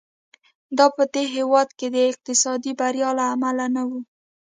دا په دې هېواد کې د اقتصادي بریا له امله نه و.